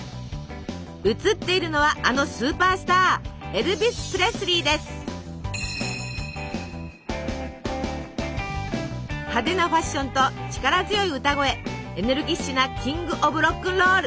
写っているのはあのスーパースター派手なファッションと力強い歌声エネルギッシュなキング・オブロックンロール！